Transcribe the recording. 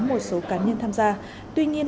một số cá nhân tham gia tuy nhiên